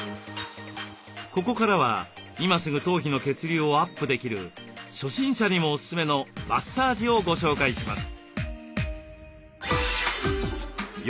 ここからは今すぐ頭皮の血流をアップできる初心者にもおすすめのマッサージをご紹介します。